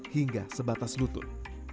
hingga sebatas lutut